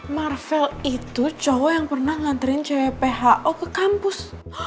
marvel itu cowok yang pernah nganterin cewek pho ke kampus